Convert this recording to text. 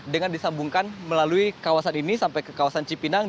dengan disambungkan melalui kawasan ini sampai ke kawasan cipinang